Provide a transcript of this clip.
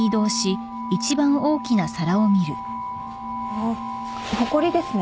あほこりですね。